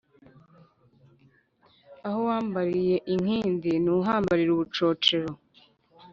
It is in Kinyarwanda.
Aho wambariye inkindi ,ntuhambarira ubucocero